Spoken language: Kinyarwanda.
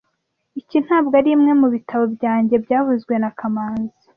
Iki ntabwo arimwe mubitabo byanjye byavuzwe na kamanzi